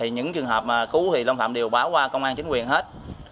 những trường hợp cứu thì long thạm đều báo qua công an chính quyền hết